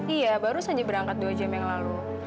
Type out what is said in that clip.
iya baru saja berangkat dua jam yang lalu